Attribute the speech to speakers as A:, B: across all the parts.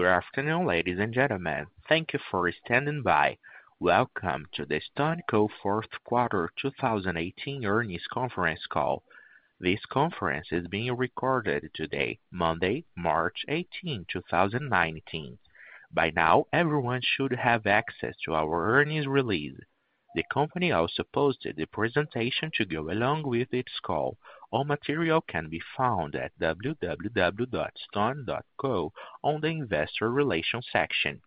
A: Good afternoon, ladies and gentlemen. Thank you for standing by. Welcome to the StoneCo fourth quarter 2018 earnings conference call. This conference is being recorded today, Monday, March 18, 2019. By now, everyone should have access to our earnings release. The company also posted the presentation to go along with its call. All material can be found at www.stone.co on the investor relations section.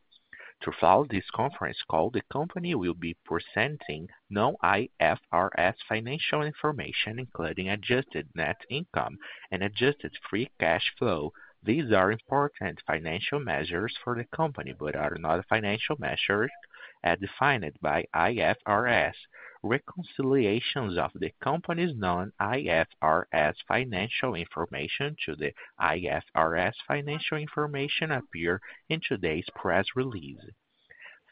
A: Throughout this conference call, the company will be presenting non-IFRS financial information, including adjusted net income and adjusted free cash flow. These are important financial measures for the company but are not financial measures as defined by IFRS. Reconciliations of the company's non-IFRS financial information to the IFRS financial information appear in today's press release.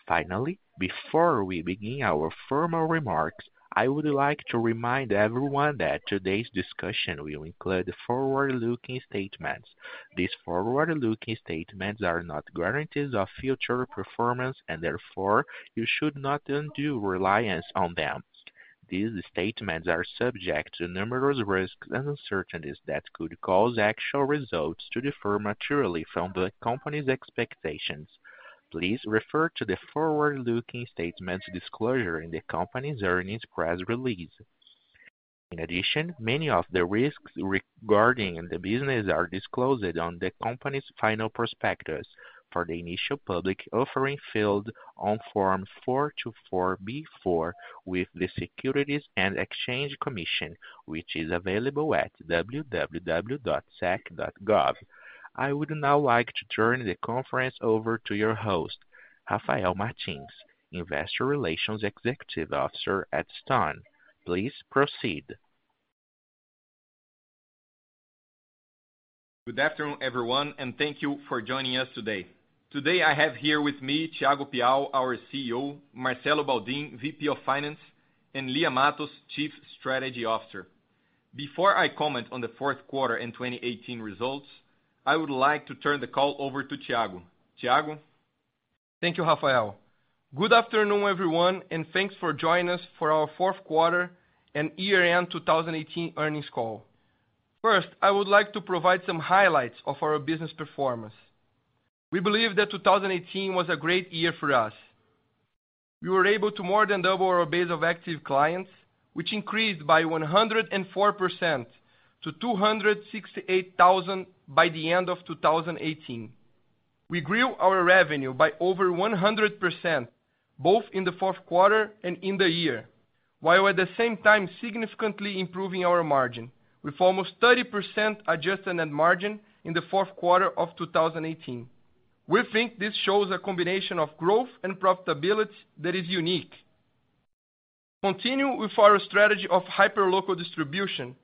A: Finally, before we begin our formal remarks, I would like to remind everyone that today's discussion will include forward-looking statements. These forward-looking statements are not guarantees of future performance. Therefore, you should not undue reliance on them. These statements are subject to numerous risks and uncertainties that could cause actual results to differ materially from the company's expectations. Please refer to the forward-looking statements disclosure in the company's earnings press release. In addition, many of the risks regarding the business are disclosed on the company's final prospectus for the initial public offering filed on Form 424B4 with the Securities and Exchange Commission, which is available at www.sec.gov. I would now like to turn the conference over to your host, Rafael Martins, Investor Relations Executive Officer at Stone. Please proceed.
B: Good afternoon, everyone. Thank you for joining us today. Today, I have here with me Thiago Piau, our CEO, Marcelo Baldin, VP of Finance, and Lia Matos, Chief Strategy Officer. Before I comment on the fourth quarter and 2018 results, I would like to turn the call over to Thiago. Thiago?
C: Thank you, Rafael. Good afternoon, everyone. Thanks for joining us for our fourth quarter and year-end 2018 earnings call. First, I would like to provide some highlights of our business performance. We believe that 2018 was a great year for us. We were able to more than double our base of active clients, which increased by 104% to 268,000 by the end of 2018. We grew our revenue by over 100%, both in the fourth quarter and in the year, while at the same time significantly improving our margin with almost 30% adjusted net margin in the fourth quarter of 2018. We think this shows a combination of growth and profitability that is unique. Continuing with our strategy of hyper-local distribution,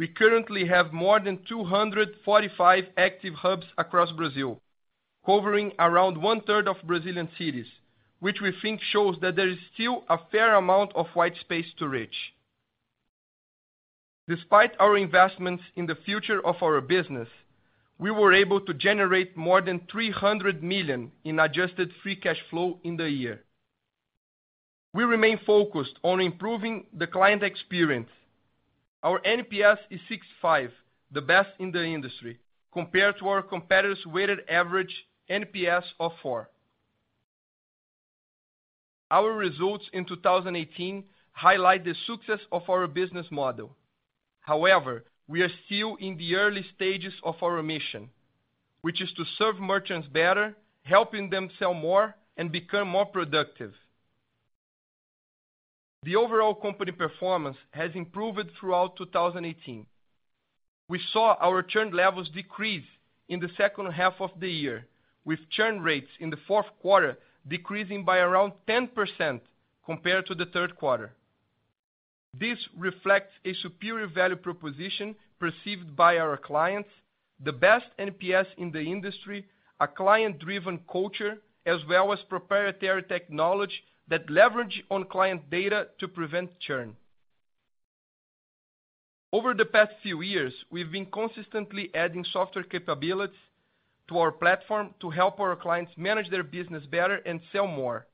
C: we currently have more than 245 active hubs across Brazil, covering around one-third of Brazilian cities, which we think shows that there is still a fair amount of white space to reach. Despite our investments in the future of our business, we were able to generate more than 300 million in adjusted free cash flow in the year. We remain focused on improving the client experience. Our NPS is 65, the best in the industry, compared to our competitors' weighted average NPS of four. Our results in 2018 highlight the success of our business model. We are still in the early stages of our mission, which is to serve merchants better, helping them sell more and become more productive. The overall company performance has improved throughout 2018. We saw our churn levels decrease in the second half of the year, with churn rates in the fourth quarter decreasing by around 10% compared to the third quarter. This reflects a superior value proposition perceived by our clients, the best NPS in the industry, a client-driven culture, as well as proprietary technology that leverages on client data to prevent churn. Over the past few years, we've been consistently adding software capabilities to our platform to help our clients manage their business better and sell more.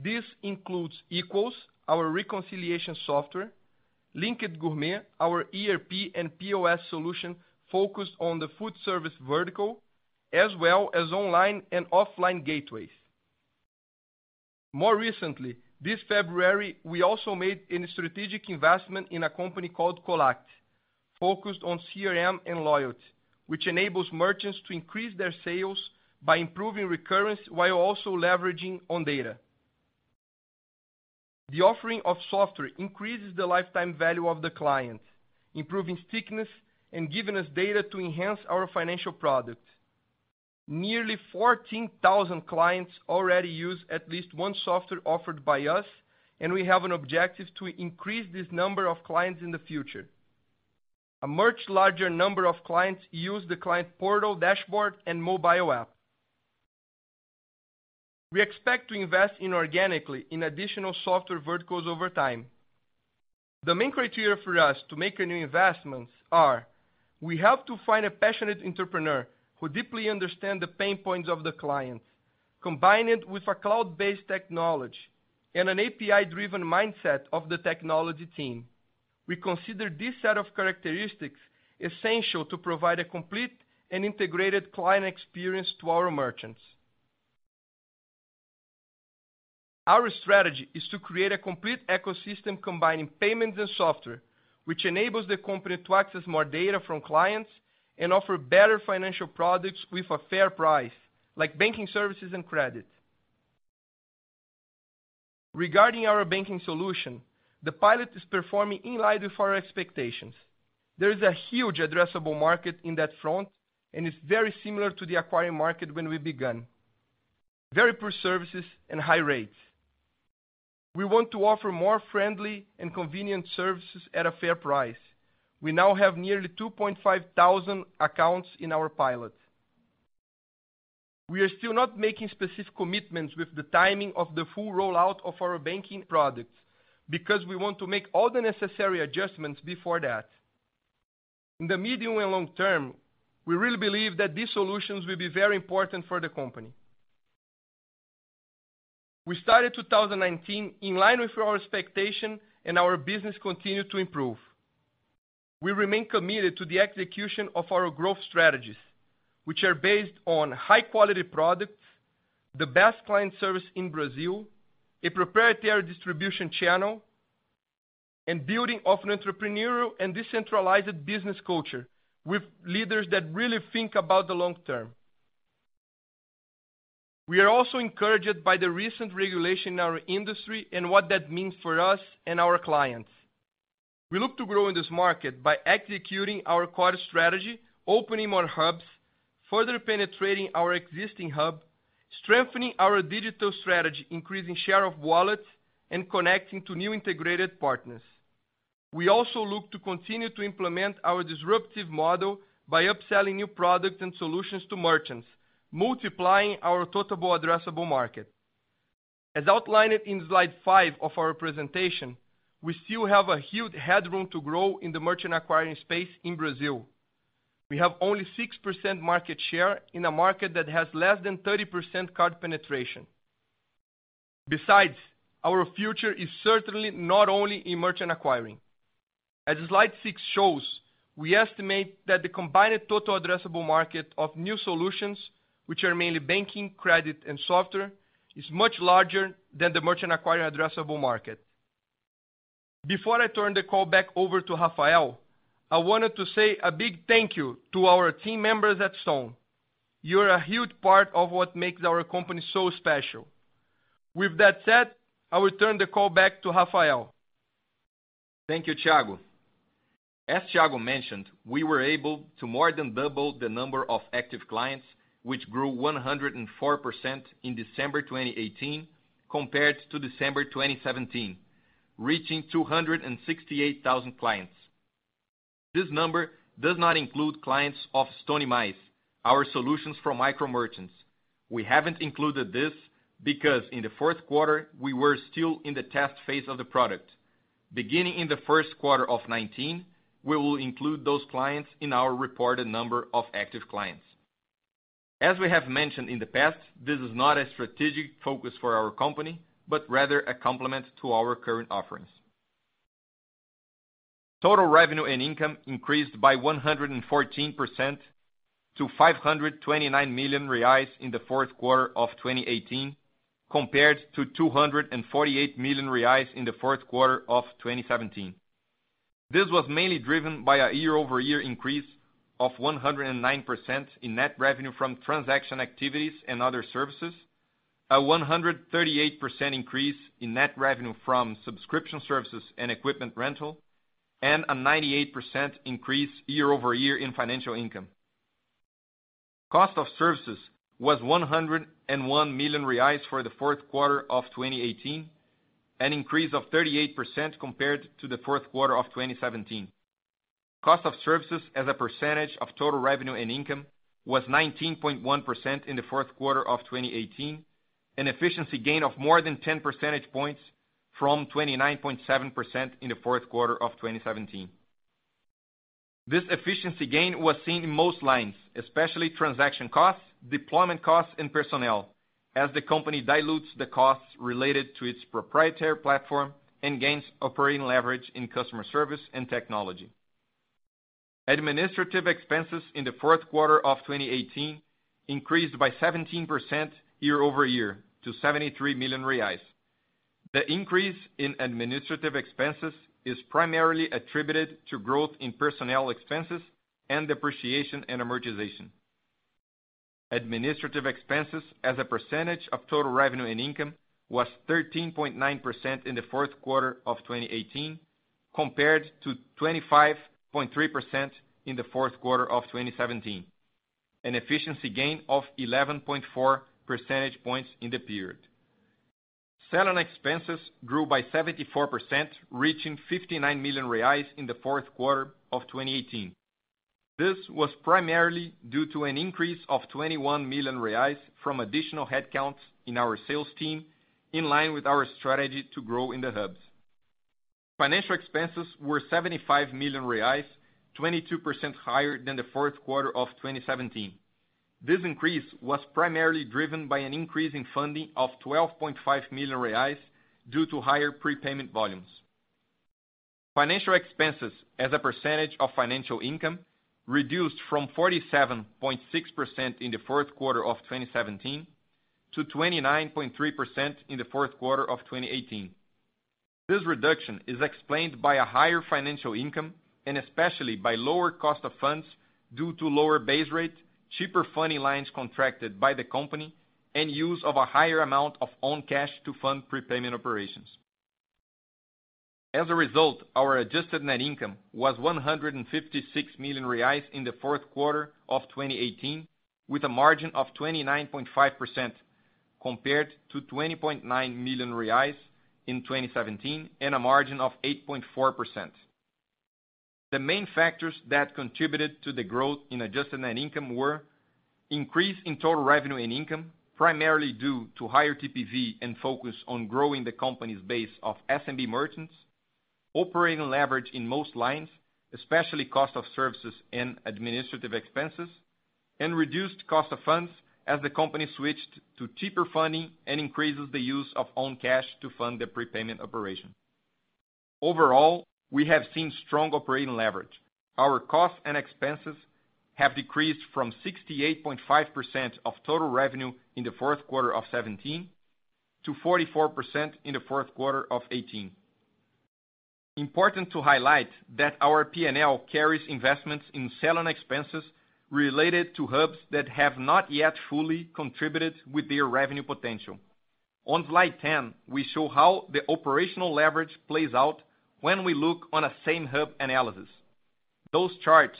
C: This includes Equals, our reconciliation software, Linked Gourmet, our ERP and POS solution focused on the food service vertical, as well as online and offline gateways. More recently, this February, we also made a strategic investment in a company called Collact, focused on CRM and loyalty, which enables merchants to increase their sales by improving recurrence while also leveraging on data. The offering of software increases the lifetime value of the client, improving stickiness and giving us data to enhance our financial product. Nearly 14,000 clients already use at least one software offered by us, and we have an objective to increase this number of clients in the future. A much larger number of clients use the client portal dashboard and mobile app. We expect to invest inorganically in additional software verticals over time. The main criteria for us to make a new investment are, we have to find a passionate entrepreneur who deeply understands the pain points of the clients, combine it with a cloud-based technology, and an API-driven mindset of the technology team. We consider this set of characteristics essential to provide a complete and integrated client experience to our merchants. Our strategy is to create a complete ecosystem combining payments and software, which enables the company to access more data from clients and offer better financial products with a fair price, like banking services and credit. Regarding our banking solution, the pilot is performing in line with our expectations. There is a huge addressable market in that front, and it's very similar to the acquiring market when we began, with very poor services and high rates. We want to offer more friendly and convenient services at a fair price. We now have nearly 2,500 accounts in our pilot. We are still not making specific commitments with the timing of the full rollout of our banking product because we want to make all the necessary adjustments before that. In the medium and long term, we really believe that these solutions will be very important for the company. We started 2019 in line with our expectation. Our business continued to improve. We remain committed to the execution of our growth strategies, which are based on high-quality products, the best client service in Brazil, a proprietary distribution channel, and building of an entrepreneurial and decentralized business culture with leaders that really think about the long term. We are also encouraged by the recent regulation in our industry and what that means for us and our clients. We look to grow in this market by executing our core strategy, opening more hubs, further penetrating our existing hub, strengthening our digital strategy, increasing share of wallet, and connecting to new integrated partners. We also look to continue to implement our disruptive model by upselling new products and solutions to merchants, multiplying our total addressable market. As outlined in slide five of our presentation, we still have a huge headroom to grow in the merchant acquiring space in Brazil. We have only 6% market share in a market that has less than 30% card penetration. Besides, our future is certainly not only in merchant acquiring. As slide six shows, we estimate that the combined total addressable market of new solutions, which are mainly banking, credit, and software, is much larger than the merchant acquiring addressable market. Before I turn the call back over to Rafael, I wanted to say a big thank you to our team members at Stone. You're a huge part of what makes our company so special. With that said, I will turn the call back to Rafael.
B: Thank you, Thiago. As Thiago mentioned, we were able to more than double the number of active clients, which grew 104% in December 2018 compared to December 2017, reaching 268,000 clients. This number does not include clients of Stone Mais, our solutions for micro merchants. We haven't included this because in the fourth quarter, we were still in the test phase of the product. Beginning in the first quarter of 2019, we will include those clients in our reported number of active clients. As we have mentioned in the past, this is not a strategic focus for our company, but rather a complement to our current offerings. Total revenue and income increased by 114% to 529 million reais in the fourth quarter of 2018, compared to 248 million reais in the fourth quarter of 2017. This was mainly driven by a year-over-year increase of 109% in net revenue from transaction activities and other services, a 138% increase in net revenue from subscription services and equipment rental, and a 98% increase year-over-year in financial income. Cost of services was 101 million reais for the fourth quarter of 2018, an increase of 38% compared to the fourth quarter of 2017. Cost of services as a percentage of total revenue and income was 19.1% in the fourth quarter of 2018, an efficiency gain of more than 10 percentage points from 29.7% in the fourth quarter of 2017. This efficiency gain was seen in most lines, especially transaction costs, deployment costs, and personnel, as the company dilutes the costs related to its proprietary platform and gains operating leverage in customer service and technology. Administrative expenses in the fourth quarter of 2018 increased by 17% year-over-year to 73 million reais. The increase in administrative expenses is primarily attributed to growth in personnel expenses and depreciation and amortization. Administrative expenses as a percentage of total revenue and income was 13.9% in the fourth quarter of 2018, compared to 25.3% in the fourth quarter of 2017, an efficiency gain of 11.4 percentage points in the period. Selling expenses grew by 74%, reaching 59 million reais in the fourth quarter of 2018. This was primarily due to an increase of 21 million reais from additional headcounts in our sales team, in line with our strategy to grow in the hubs. Financial expenses were 75 million reais, 22% higher than the fourth quarter of 2017. This increase was primarily driven by an increase in funding of 12.5 million reais due to higher prepayment volumes. Financial expenses as a percentage of financial income reduced from 47.6% in the fourth quarter of 2017 to 29.3% in the fourth quarter of 2018. This reduction is explained by a higher financial income, and especially by lower cost of funds due to lower base rate, cheaper funding lines contracted by the company, and use of a higher amount of own cash to fund prepayment operations. Our adjusted net income was 156 million reais in the fourth quarter of 2018, with a margin of 29.5%, compared to 20.9 million reais in 2017 and a margin of 8.4%. The main factors that contributed to the growth in adjusted net income were increase in total revenue and income, primarily due to higher TPV and focus on growing the company's base of SMB merchants, operating leverage in most lines, especially cost of services and administrative expenses, and reduced cost of funds as the company switched to cheaper funding and increases the use of own cash to fund the prepayment operation. Overall, we have seen strong operating leverage. Our costs and expenses have decreased from 68.5% of total revenue in the fourth quarter of 2017 to 44% in the fourth quarter of 2018. Important to highlight that our P&L carries investments in selling expenses related to hubs that have not yet fully contributed with their revenue potential. On slide 10, we show how the operational leverage plays out when we look on a same hub analysis. Those charts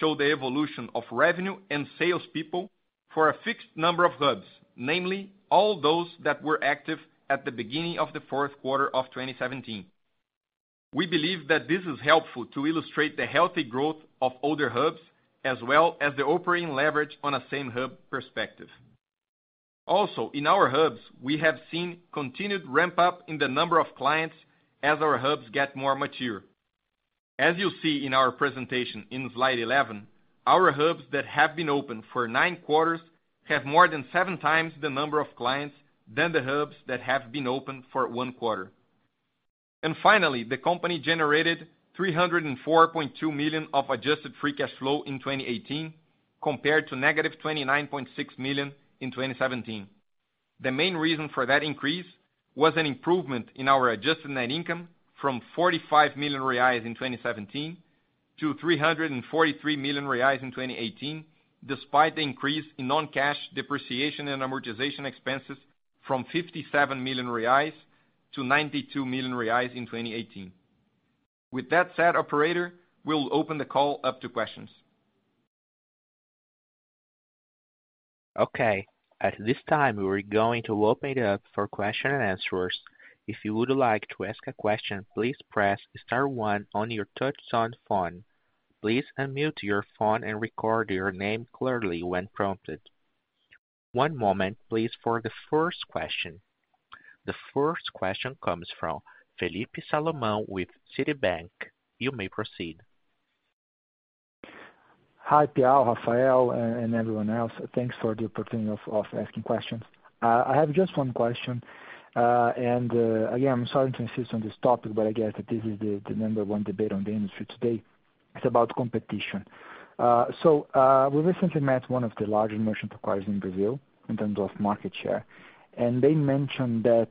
B: show the evolution of revenue and salespeople for a fixed number of hubs, namely all those that were active at the beginning of the fourth quarter of 2017. We believe that this is helpful to illustrate the healthy growth of older hubs, as well as the operating leverage on a same hub perspective. Also in our hubs, we have seen continued ramp-up in the number of clients as our hubs get more mature. As you see in our presentation in Slide 11, our hubs that have been open for nine quarters have more than seven times the number of clients than the hubs that have been open for one quarter. The company generated 304.2 million of adjusted free cash flow in 2018, compared to negative 29.6 million in 2017. The main reason for that increase was an improvement in our adjusted net income from 45 million reais in 2017 to 343 million reais in 2018, despite the increase in non-cash depreciation and amortization expenses from 57 million reais to 92 million reais in 2018. Operator, we'll open the call up to questions.
A: At this time, we're going to open it up for question and answers. If you would like to ask a question, please press star one on your touchtone phone. Please unmute your phone and record your name clearly when prompted. One moment please for the first question. The first question comes from Felipe Salomon with Citibank. You may proceed.
D: Hi, Piau, Rafael, and everyone else. Thanks for the opportunity of asking questions. I have just one question. Again, I'm sorry to insist on this topic, but I guess that this is the number one debate on the industry today. It's about competition. We recently met one of the larger merchant acquirers in Brazil in terms of market share, and they mentioned that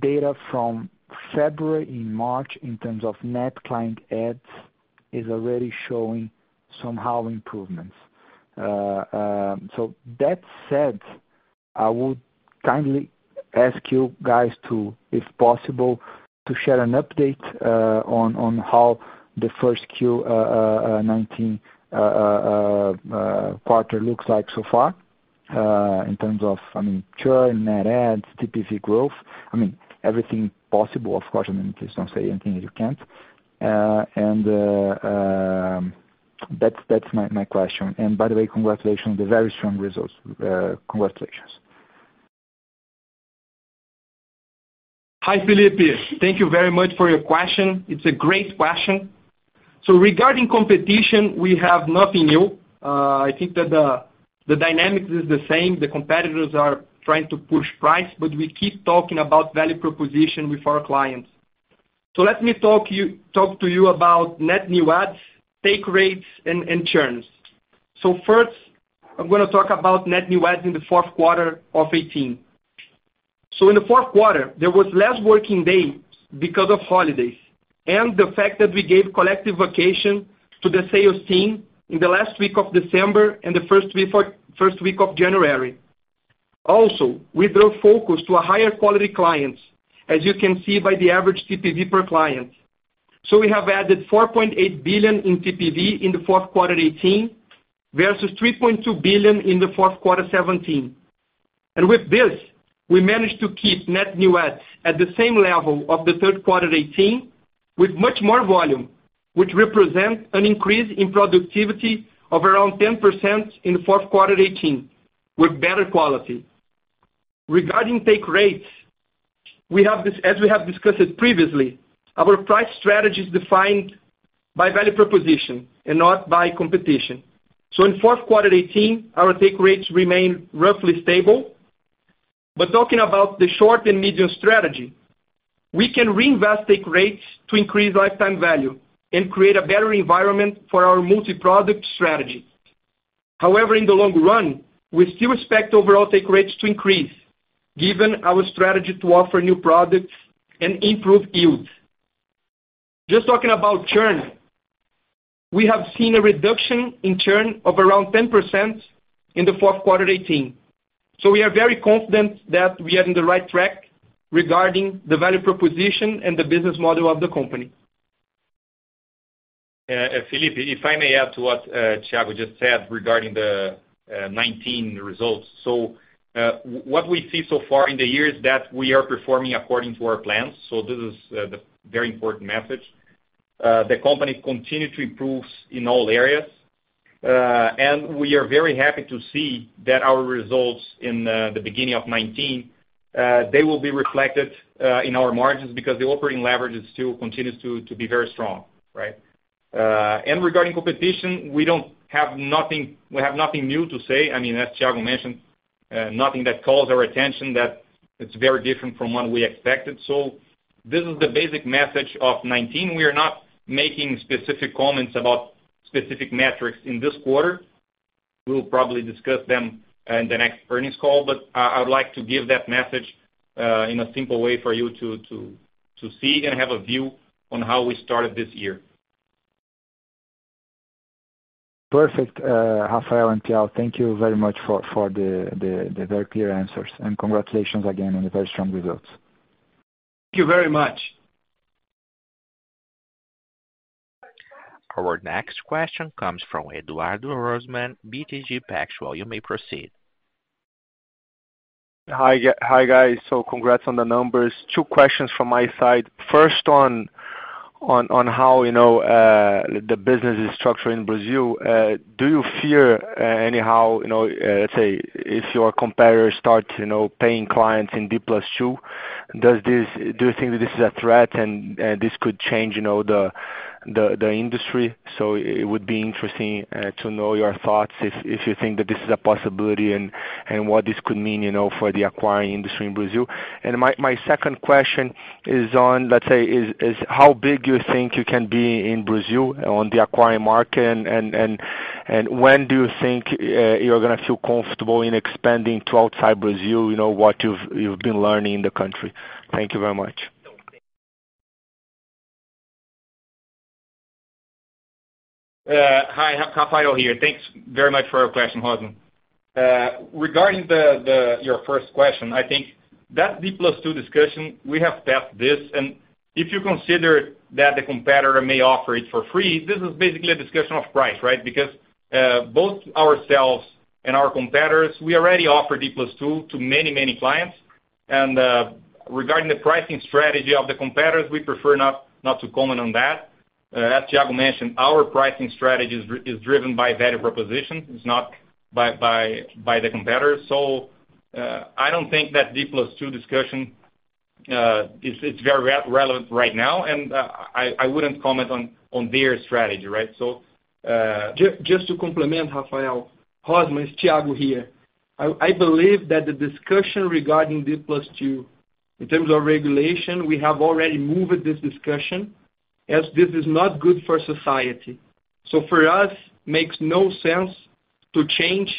D: data from February and March in terms of net client adds is already showing somehow improvements. That said, I would kindly ask you guys to, if possible, to share an update on how the first Q19 quarter looks like so far in terms of churn, net adds, TPV growth. I mean, everything possible, of course. Please don't say anything that you can't. That's my question. By the way, congratulations on the very strong results. Congratulations.
B: Hi, Felipe. Thank you very much for your question. It's a great question. Regarding competition, we have nothing new. I think that the dynamic is the same. The competitors are trying to push price, but we keep talking about value proposition with our clients. Let me talk to you about net new adds, take rates, and churns. First, I'm going to talk about net new adds in the fourth quarter of 2018. In the fourth quarter, there was less working days because of holidays and the fact that we gave collective vacation to the sales team in the last week of December and the first week of January. We brought focus to higher quality clients, as you can see by the average TPV per client.
C: We have added 4.8 billion in TPV in the fourth quarter 2018, versus 3.2 billion in the fourth quarter 2017. With this, we managed to keep net new adds at the same level of the third quarter 2018 with much more volume, which represent an increase in productivity of around 10% in the fourth quarter 2018, with better quality. Regarding take rates, as we have discussed previously, our price strategy is defined by value proposition and not by competition. In fourth quarter 2018, our take rates remained roughly stable. Talking about the short and medium strategy, we can reinvest take rates to increase lifetime value and create a better environment for our multi-product strategy. However, in the long run, we still expect overall take rates to increase given our strategy to offer new products and improve yields. Just talking about churn, we have seen a reduction in churn of around 10% in the fourth quarter 2018. We are very confident that we are in the right track regarding the value proposition and the business model of the company.
B: Felipe, if I may add to what Thiago just said regarding the 2019 results. What we see so far in the year is that we are performing according to our plans. This is the very important message. The company continue to improves in all areas. We are very happy to see that our results in the beginning of 2019, they will be reflected in our margins because the operating leverage still continues to be very strong. Right? Regarding competition, we have nothing new to say. As Thiago mentioned, nothing that calls our attention that it's very different from what we expected. This is the basic message of 2019. We are not making specific comments about specific metrics in this quarter. We'll probably discuss them in the next earnings call. I would like to give that message, in a simple way for you to see and have a view on how we started this year.
D: Perfect. Rafael and Thiago, thank you very much for the very clear answers. Congratulations again on the very strong results.
C: Thank you very much.
A: Our next question comes from Eduardo Rosman, BTG Pactual. You may proceed.
E: Hi, guys. Congrats on the numbers. Two questions from my side. First on how the business is structured in Brazil. Do you fear anyhow, let's say if your competitor starts paying clients in D+2, do you think that this is a threat and this could change the industry? It would be interesting to know your thoughts if you think that this is a possibility and what this could mean for the acquiring industry in Brazil. My second question is on, let's say, is how big you think you can be in Brazil on the acquiring market, and when do you think you're going to feel comfortable in expanding to outside Brazil, what you've been learning in the country? Thank you very much.
B: Hi, Rafael here. Thanks very much for your question, Rosman. Regarding your first question, I think that D+2 discussion, we have tested this, and if you consider that the competitor may offer it for free, this is basically a discussion of price, right? Because both ourselves and our competitors, we already offer D+2 to many clients. Regarding the pricing strategy of the competitors, we prefer not to comment on that. As Thiago mentioned, our pricing strategy is driven by value proposition. It's not by the competitors. I don't think that D+2 discussion is very relevant right now, and I wouldn't comment on their strategy. Right?
C: Just to complement, Rafael. Rosman, it's Thiago here. I believe that the discussion regarding D+2, in terms of regulation, we have already moved this discussion as this is not good for society. For us, makes no sense to change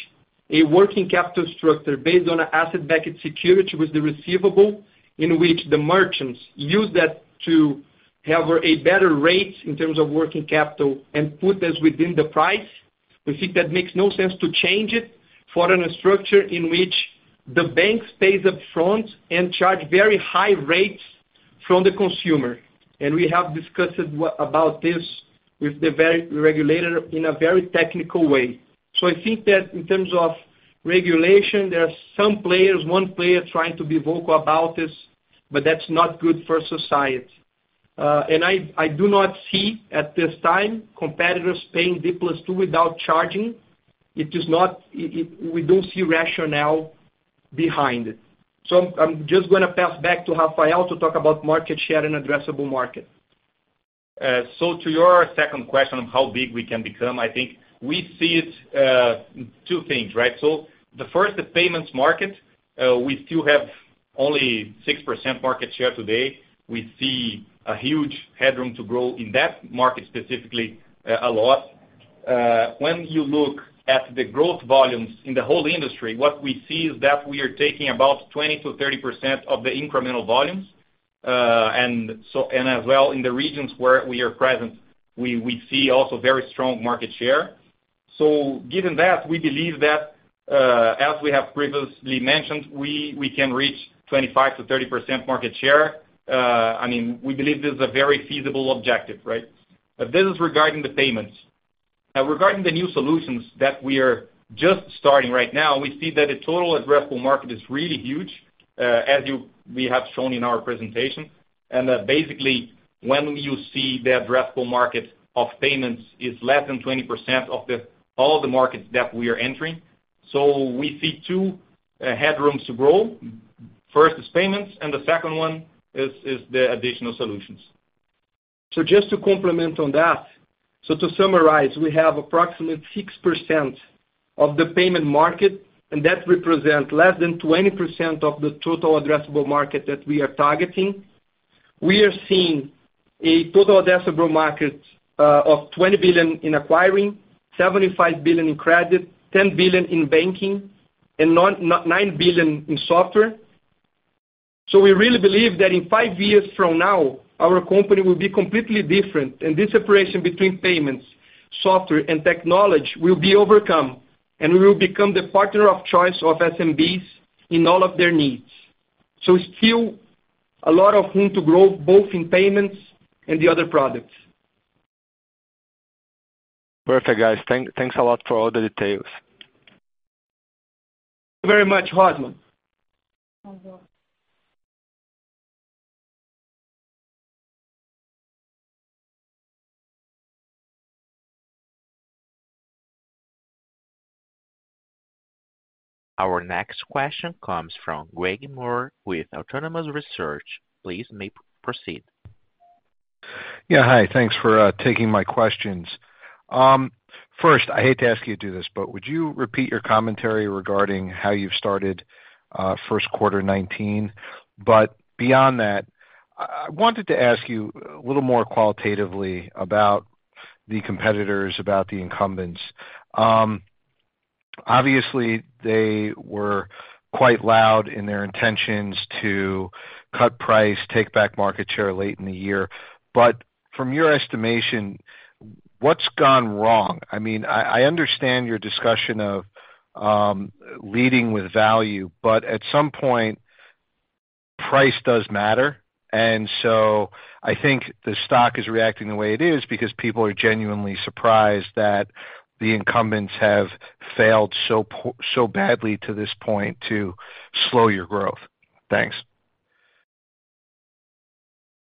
C: a working capital structure based on an asset-backed security with the receivable, in which the merchants use that to have a better rate in terms of working capital and put this within the price. We think that makes no sense to change it for a structure in which the banks pay upfront and charge very high rates from the consumer. We have discussed about this with the regulator in a very technical way. I think that in terms of regulation, there are some players, one player trying to be vocal about this, but that's not good for society. I do not see at this time competitors paying D+2 without charging. We don't see rationale behind it. I'm just gonna pass back to Rafael to talk about market share and addressable market.
B: To your second question on how big we can become, I think we see it two things, right? The first, the payments market, we still have only 6% market share today. We see a huge headroom to grow in that market specifically, a lot. When you look at the growth volumes in the whole industry, what we see is that we are taking about 20%-30% of the incremental volumes. As well in the regions where we are present, we see also very strong market share. So given that, we believe that, as we have previously mentioned, we can reach 25%-30% market share. We believe this is a very feasible objective, right? This is regarding the payments. Regarding the new solutions that we are just starting right now, we see that the total addressable market is really huge, as we have shown in our presentation. Basically when you see the addressable market of payments is less than 20% of all the markets that we are entering. We see two headrooms to grow. First is payments, and the second one is the additional solutions.
C: Just to complement on that. To summarize, we have approximately six% of the payment market, and that represents less than 20% of the total addressable market that we are targeting. We are seeing a total addressable market of $20 billion in acquiring, $75 billion in credit, $10 billion in banking, and $9 billion in software. We really believe that in five years from now, our company will be completely different, and this separation between payments, software, and technology will be overcome. We will become the partner of choice of SMBs in all of their needs. Still, a lot of room to grow, both in payments and the other products.
E: Perfect, guys. Thanks a lot for all the details.
C: Thank you very much, Rosman.
A: Our next question comes from Craig Maurer with Autonomous Research. Please proceed.
F: Yeah. Hi. Thanks for taking my questions. First, I hate to ask you to do this, would you repeat your commentary regarding how you've started first quarter 2019? Beyond that, I wanted to ask you a little more qualitatively about the competitors, about the incumbents. Obviously, they were quite loud in their intentions to cut price, take back market share late in the year. From your estimation, what's gone wrong? I understand your discussion of leading with value, at some point, price does matter. I think the stock is reacting the way it is because people are genuinely surprised that the incumbents have failed so badly to this point to slow your growth. Thanks.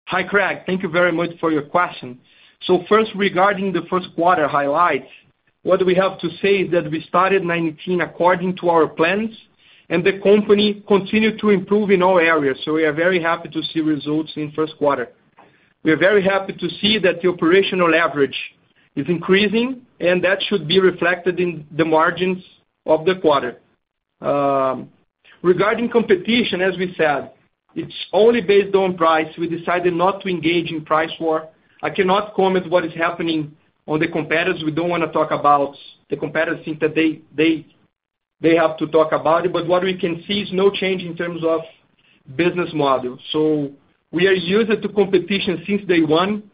C: Hi, Craig. Thank you very much for your question. First, regarding the first quarter highlights, what we have to say is that we started 2019 according to our plans, and the company continued to improve in all areas. We are very happy to see results in first quarter. We are very happy to see that the operational leverage is increasing, and that should be reflected in the margins of the quarter. Regarding competition, as we said, it's only based on price. We decided not to engage in price war. I cannot comment what is happening on the competitors. We don't want to talk about the competitors since they have to talk about it. What we can see is no change in terms of business model. We are used to competition since day one.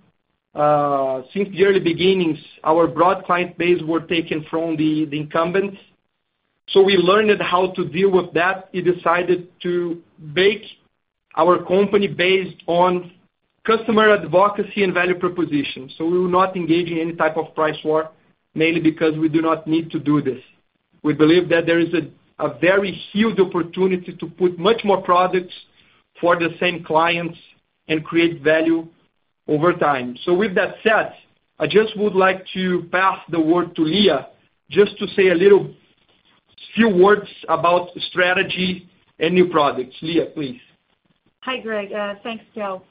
C: Since the early beginnings, our broad client base were taken from the incumbents. We learned how to deal with that and decided to base our company based on customer advocacy and value proposition. We will not engage in any type of price war, mainly because we do not need to do this. We believe that there is a very huge opportunity to put much more products for the same clients and create value over time. With that said, I just would like to pass the word to Lia, just to say a few words about strategy and new products. Lia, please.
G: Hi, Craig. Thanks, Thiago.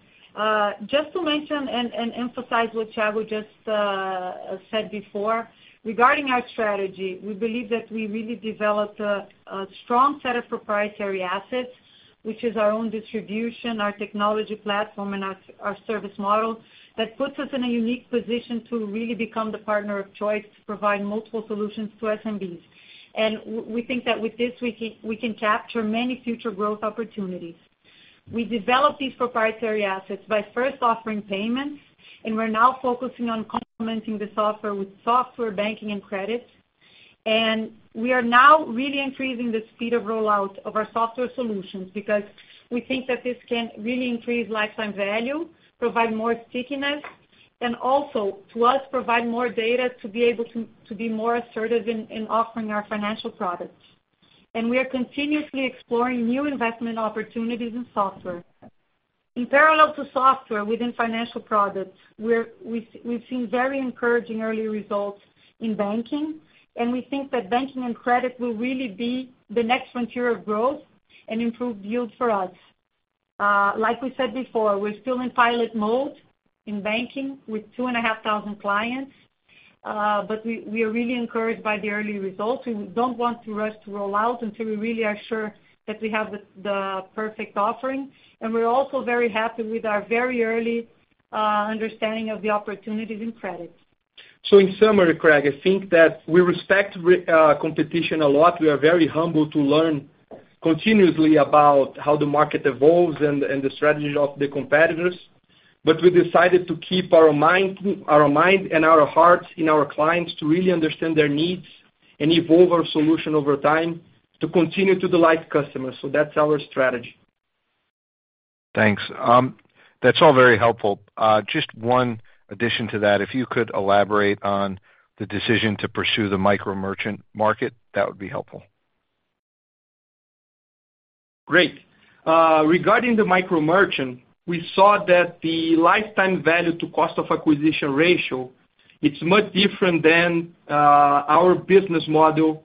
G: Just to mention and emphasize what Thiago just said before, regarding our strategy, we believe that we really developed a strong set of proprietary assets, which is our own distribution, our technology platform, and our service model that puts us in a unique position to really become the partner of choice to provide multiple solutions to SMBs. We think that with this, we can capture many future growth opportunities. We developed these proprietary assets by first offering payments, and we are now focusing on complementing the software with software banking and credit. We are now really increasing the speed of rollout of our software solutions because we think that this can really increase lifetime value, provide more stickiness, and also to us, provide more data to be able to be more assertive in offering our financial products. We are continuously exploring new investment opportunities in software. In parallel to software, within financial products, we've seen very encouraging early results in banking, and we think that banking and credit will really be the next frontier of growth and improve yield for us. Like we said before, we are still in pilot mode in banking with 2,500 clients. We are really encouraged by the early results, and we don't want to rush to roll out until we really are sure that we have the perfect offering. We are also very happy with our very early understanding of the opportunities in credit.
B: In summary, Craig, I think that we respect competition a lot. We are very humble to learn continuously about how the market evolves and the strategy of the competitors.
C: We decided to keep our mind and our hearts in our clients to really understand their needs and evolve our solution over time to continue to delight customers. That's our strategy.
F: Thanks. That's all very helpful. Just one addition to that. If you could elaborate on the decision to pursue the micro-merchant market, that would be helpful.
C: Great. Regarding the micro-merchant, we saw that the lifetime value to cost of acquisition ratio is much different than our business model,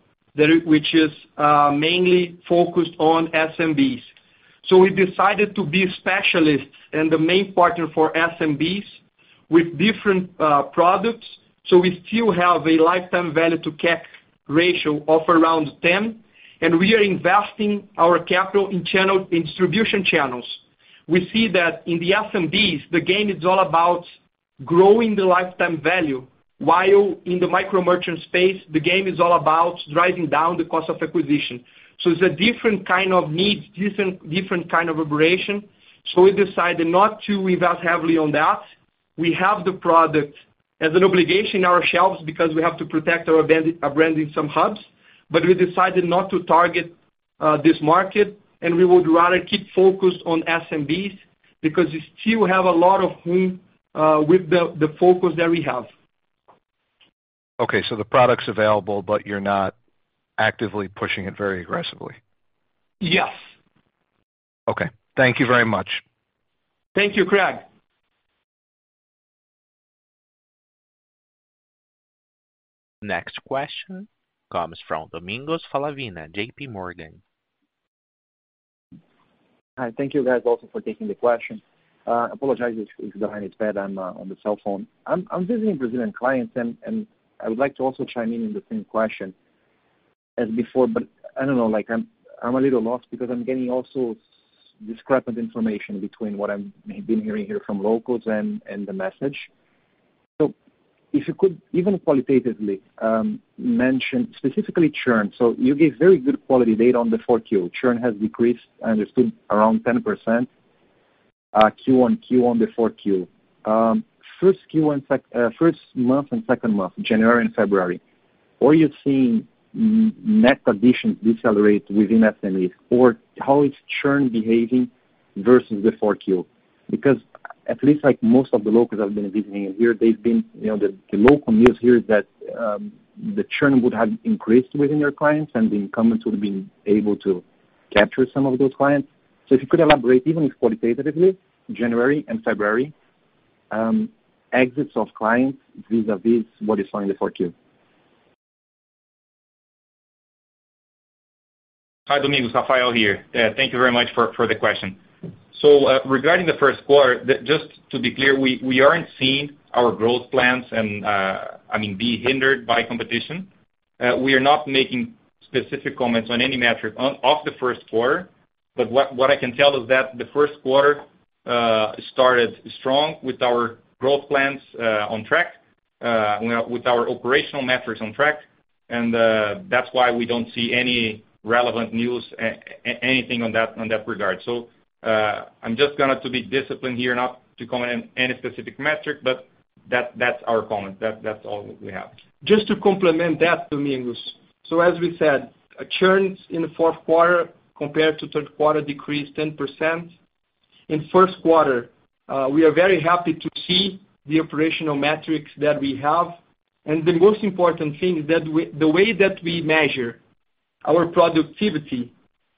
C: which is mainly focused on SMBs. We decided to be specialists and the main partner for SMBs with different products. We still have a lifetime value to CAC ratio of around 10, and we are investing our capital in distribution channels. We see that in the SMBs, the game is all about growing the lifetime value, while in the micro-merchant space, the game is all about driving down the cost of acquisition. It's a different kind of need, different kind of operation. We decided not to invest heavily on that. We have the product as an obligation in our shelves because we have to protect our brand in some hubs. We decided not to target this market, and we would rather keep focused on SMBs because we still have a lot of room with the focus that we have.
F: Okay. The product's available, you're not actively pushing it very aggressively.
C: Yes.
F: Okay. Thank you very much.
C: Thank you, Craig.
A: Next question comes from Domingos Falavina, JPMorgan.
H: Hi, thank you guys also for taking the question. Apologize if the line is bad, I'm on the cell phone. I'm visiting Brazilian clients and I would like to also chime in on the same question as before, but I don't know, I'm a little lost because I'm getting also discrepant information between what I've been hearing here from locals and the message. If you could even qualitatively mention specifically churn. You gave very good quality data on the fourth Q. Churn has decreased, I understood, around 10% Q on Q on the fourth Q. First month and second month, January and February, are you seeing net addition decelerate within SMBs? How is churn behaving versus the fourth Q? Because at least most of the locals I've been visiting here, the local news here is that the churn would have increased within your clients and the incumbents would have been able to capture some of those clients. If you could elaborate, even if qualitatively, January and February, exits of clients vis-a-vis what is found in the fourth Q.
B: Hi, Domingos. Rafael here. Thank you very much for the question. Regarding the first quarter, just to be clear, we aren't seeing our growth plans be hindered by competition. We are not making specific comments on any metric of the first quarter. What I can tell is that the first quarter started strong with our growth plans on track, with our operational metrics on track, and that's why we don't see any relevant news, anything on that regard. I'm just going to be disciplined here not to comment on any specific metric, but that's our comment. That's all we have.
C: Just to complement that, Domingos. As we said, churns in the fourth quarter compared to third quarter decreased 10%. In first quarter, we are very happy to see the operational metrics that we have. The most important thing is that the way that we measure our productivity,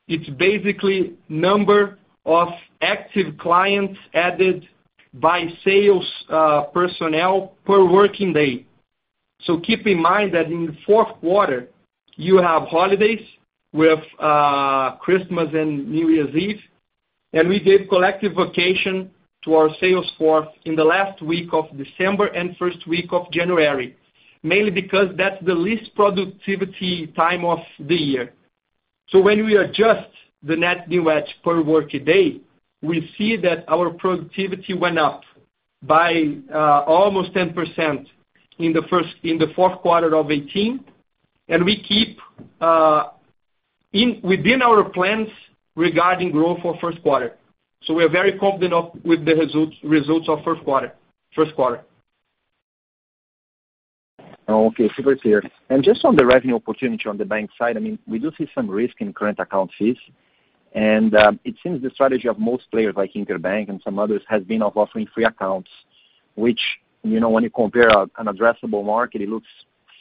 C: it's basically number of active clients added by sales personnel per working day. Keep in mind that in the fourth quarter, you have holidays with Christmas and New Year's Eve, and we gave collective vacation to our sales force in the last week of December and first week of January, mainly because that's the least productivity time of the year. When we adjust the net new edge per working day, we see that our productivity went up by almost 10% in the fourth quarter of 2018, and we keep within our plans regarding growth for first quarter. We are very confident with the results of first quarter.
H: Okay, super clear. Just on the revenue opportunity on the bank side, we do see some risk in current account fees, and it seems the strategy of most players like Banco Inter and some others has been of offering free accounts, which when you compare an addressable market, it looks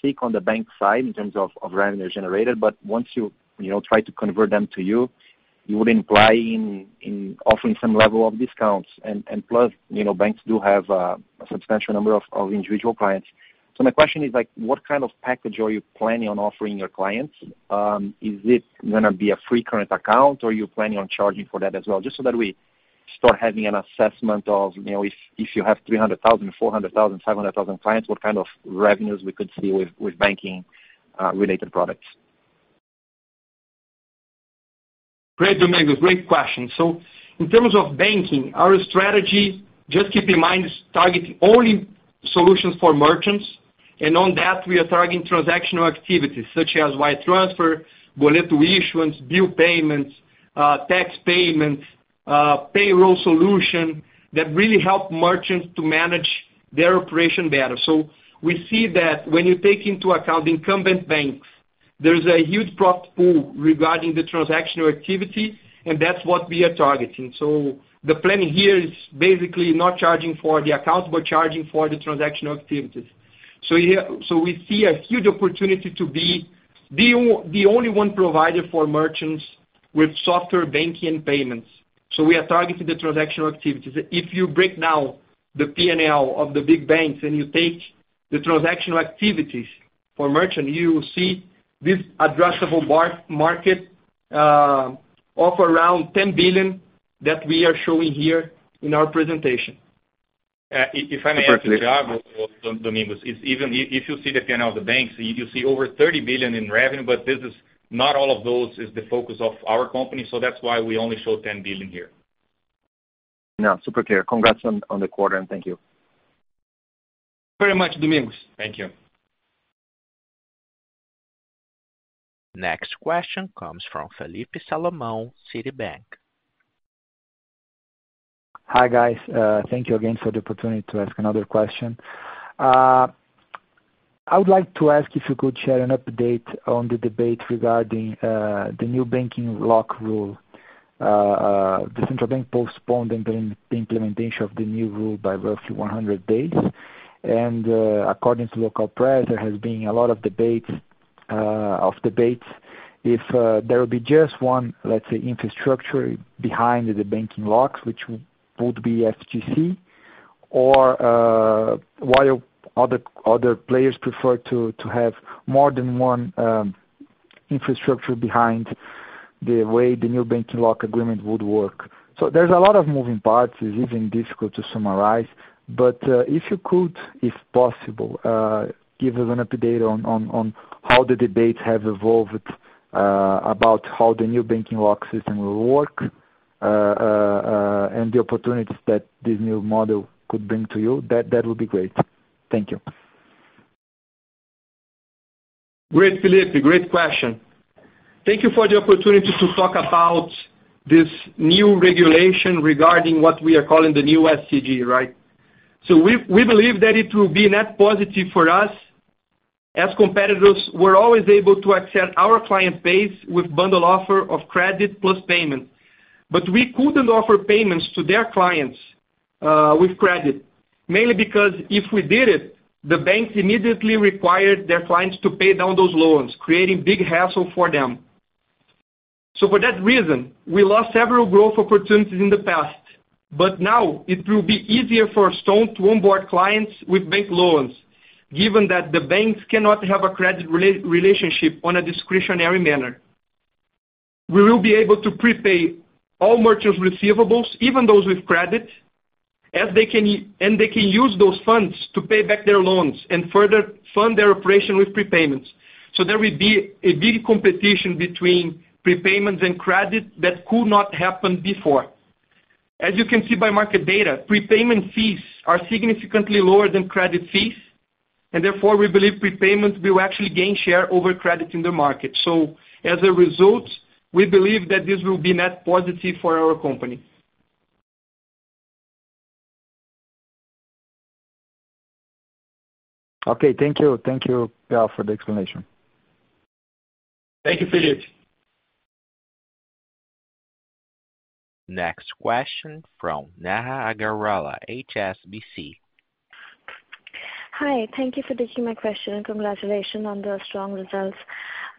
H: sick on the bank side in terms of revenue generated. Once you try to convert them to you would imply in offering some level of discounts. Plus, banks do have a substantial number of individual clients. My question is, what kind of package are you planning on offering your clients? Is it going to be a free current account or are you planning on charging for that as well? Just so that we start having an assessment of, if you have 300,000, 400,000, 500,000 clients, what kind of revenues we could see with banking-related products.
C: Great, Domingos. Great question. In terms of banking, our strategy, just keep in mind, is targeting only solutions for merchants. On that, we are targeting transactional activities such as wire transfer, boleto issuance, bill payments, tax payments, payroll solution that really help merchants to manage their operation better. We see that when you take into account incumbent banks, there's a huge profit pool regarding the transactional activity, and that's what we are targeting. The plan here is basically not charging for the accounts, but charging for the transactional activities. We see a huge opportunity to be the only one provider for merchants with software banking and payments. We are targeting the transactional activities. If you break now the P&L of the big banks and you take the transactional activities for merchant, you will see this addressable market of around $10 billion that we are showing here in our presentation.
B: If I may add, Thiago, or Domingos, if you see the P&L of the banks, you see over 30 billion in revenue. Not all of those is the focus of our company. That's why we only show 10 billion here.
H: No, super clear. Congrats on the quarter. Thank you.
C: Thank you very much, Domingos.
B: Thank you.
A: Next question comes from Felipe Salomon, Citi.
D: Hi, guys. Thank you again for the opportunity to ask another question. I would like to ask if you could share an update on the debate regarding the new banking lock rule. The Central Bank postponed the implementation of the new rule by roughly 100 days. According to local press, there has been a lot of debates if there will be just one, let's say, infrastructure behind the banking locks, which would be FGC, or while other players prefer to have more than one infrastructure behind the way the new banking lock agreement would work. There's a lot of moving parts, it's even difficult to summarize. If you could, if possible, give us an update on how the debates have evolved about how the new banking lock system will work, and the opportunities that this new model could bring to you, that would be great. Thank you.
C: Great, Felipe. Great question. Thank you for the opportunity to talk about this new regulation regarding what we are calling the new SCG. We believe that it will be net positive for us as competitors. We're always able to accept our client base with bundle offer of credit plus payment. We couldn't offer payments to their clients with credit, mainly because if we did it, the banks immediately required their clients to pay down those loans, creating big hassle for them. For that reason, we lost several growth opportunities in the past, but now it will be easier for Stone to onboard clients with bank loans, given that the banks cannot have a credit relationship on a discretionary manner. We will be able to prepay all merchants' receivables, even those with credit, and they can use those funds to pay back their loans and further fund their operation with prepayments. There will be a big competition between prepayments and credit that could not happen before. As you can see by market data, prepayment fees are significantly lower than credit fees, and therefore, we believe prepayments will actually gain share over credit in the market. As a result, we believe that this will be net positive for our company.
D: Okay. Thank you. Thank you for the explanation.
C: Thank you, Felipe.
A: Next question from Neha Agarwalla, HSBC.
I: Hi. Thank you for taking my question, and congratulations on the strong results.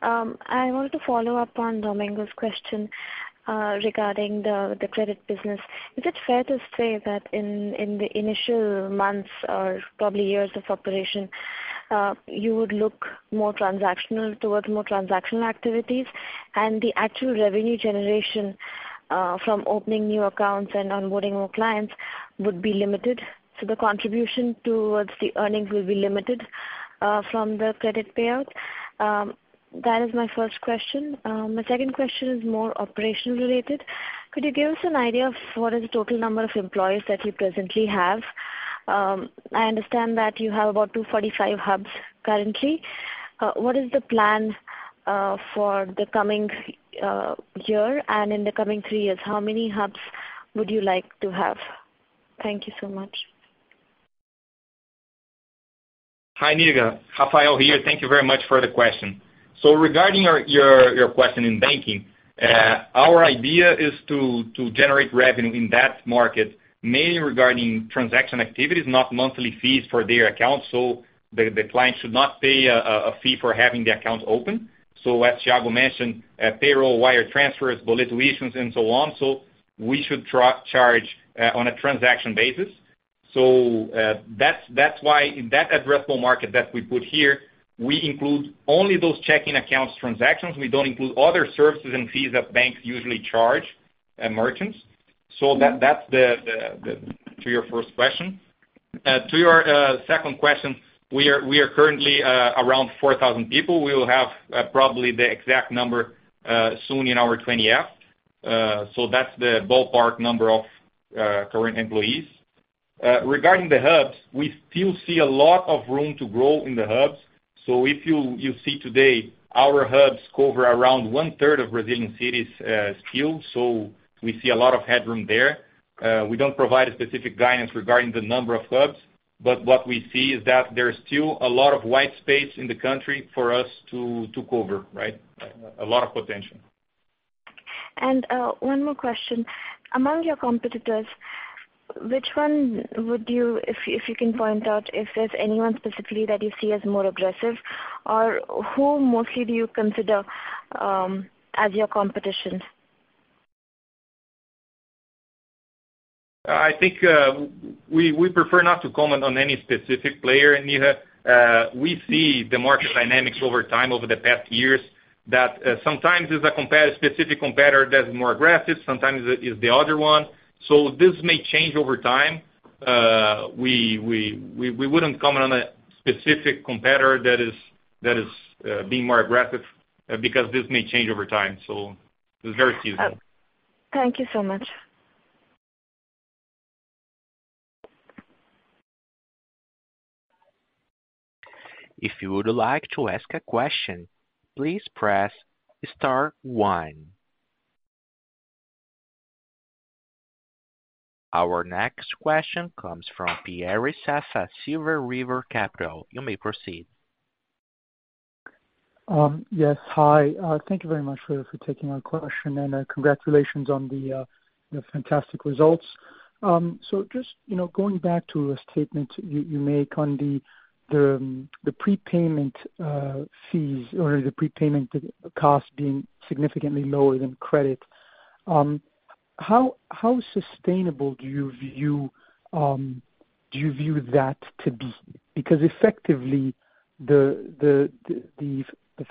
I: I want to follow up on Domingos' question regarding the credit business. Is it fair to say that in the initial months or probably years of operation, you would look towards more transactional activities and the actual revenue generation from opening new accounts and onboarding more clients would be limited, so the contribution towards the earnings will be limited from the credit payout? That is my first question. My second question is more operation-related. Could you give us an idea of what is the total number of employees that you presently have? I understand that you have about 245 hubs currently. What is the plan for the coming year and in the coming three years? How many hubs would you like to have? Thank you so much.
B: Hi, Neha. Rafael here. Thank you very much for the question. Regarding your question in banking, our idea is to generate revenue in that market, mainly regarding transaction activities, not monthly fees for their accounts. The client should not pay a fee for having the accounts open. As Thiago mentioned, payroll, wire transfers, boleto issuance, and so on, we should charge on a transaction basis. That's why in that addressable market that we put here, we include only those checking accounts transactions. We don't include other services and fees that banks usually charge merchants. That's to your first question. To your second question, we are currently around 4,000 people. We will have probably the exact number soon in our 20-F. That's the ballpark number of current employees. Regarding the hubs, we still see a lot of room to grow in the hubs. If you see today, our hubs cover around one-third of Brazilian cities still, we see a lot of headroom there. We don't provide a specific guidance regarding the number of hubs, but what we see is that there's still a lot of white space in the country for us to cover, right? A lot of potential.
I: One more question. Among your competitors, which one would you, if you can point out, if there's anyone specifically that you see as more aggressive, or who mostly do you consider as your competition?
B: I think we prefer not to comment on any specific player, Neha. We see the market dynamics over time, over the past years, that sometimes it's a specific competitor that's more aggressive, sometimes it's the other one. This may change over time. We wouldn't comment on a specific competitor that is being more aggressive because this may change over time. It's very seasonal.
I: Thank you so much.
A: If you would like to ask a question, please press star one. Our next question comes from Pierre Rissassa, Silver River Capital. You may proceed.
J: Yes. Hi. Thank you very much for taking our question, and congratulations on the fantastic results. Just going back to a statement you make on the prepayment fees or the prepayment cost being significantly lower than credit. How sustainable do you view that to be? Because effectively, the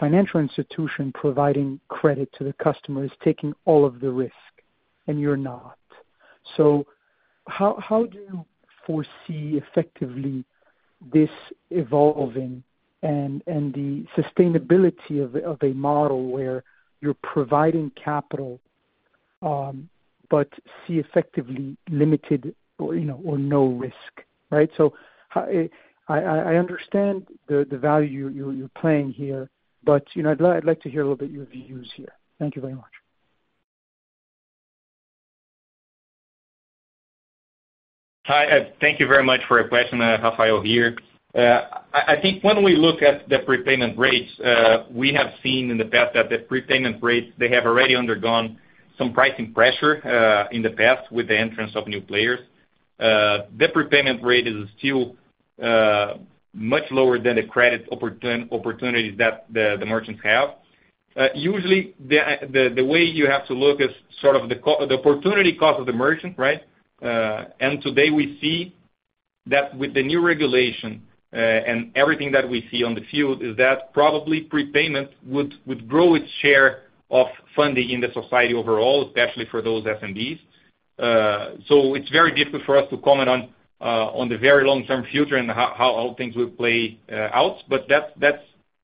J: financial institution providing credit to the customer is taking all of the risk, and you're not. How do you foresee effectively this evolving and the sustainability of a model where you're providing capital, but see effectively limited or no risk, right? I understand the value you're playing here, but I'd like to hear a little bit your views here. Thank you very much.
B: Hi. Thank you very much for your question. Rafael here. I think when we look at the prepayment rates, we have seen in the past that the prepayment rates, they have already undergone some pricing pressure in the past with the entrance of new players. The prepayment rate is still much lower than the credit opportunity that the merchants have. Usually, the way you have to look is sort of the opportunity cost of the merchant, right? Today we see that with the new regulation and everything that we see on the field is that probably prepayment would grow its share of funding in the society overall, especially for those SMBs. It's very difficult for us to comment on the very long-term future and how things will play out, but that's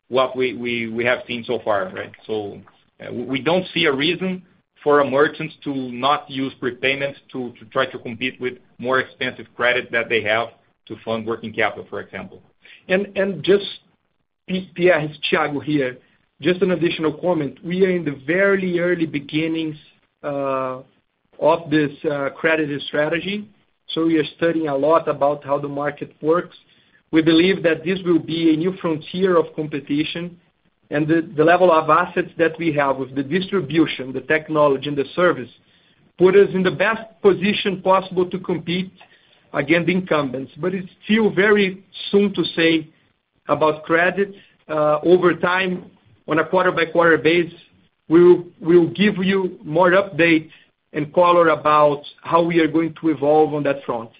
B: what we have seen so far, right? We don't see a reason for our merchants to not use prepayments to try to compete with more expensive credit that they have to fund working capital, for example.
C: Just, Pierre, it's Thiago here. Just an additional comment. We are in the very early beginnings of this credit strategy, so we are studying a lot about how the market works. We believe that this will be a new frontier of competition, and the level of assets that we have with the distribution, the technology, and the service put us in the best position possible to compete against incumbents. It's still very soon to say about credit. Over time, on a quarter-by-quarter base, we'll give you more updates and color about how we are going to evolve on that front.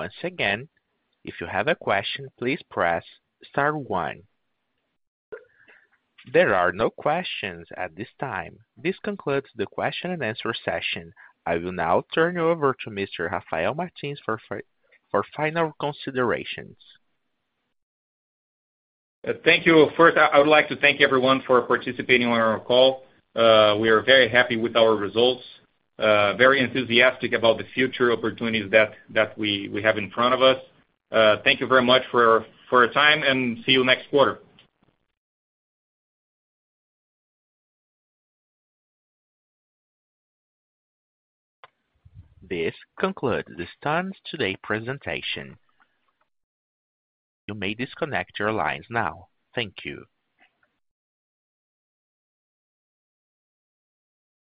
A: Once again, if you have a question, please press star one. There are no questions at this time. This concludes the question and answer session. I will now turn you over to Mr. Rafael Martins for final considerations.
B: Thank you. First, I would like to thank everyone for participating on our call. We are very happy with our results, very enthusiastic about the future opportunities that we have in front of us. Thank you very much for your time, and see you next quarter.
A: This concludes the Stone's today presentation. You may disconnect your lines now. Thank you.